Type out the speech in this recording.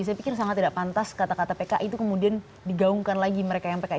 saya pikir sangat tidak pantas kata kata pki itu kemudian digaungkan lagi mereka yang pki